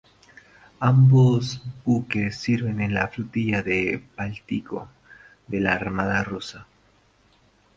Ambos buques sirven en la Flotilla del Báltico de la Armada Rusa.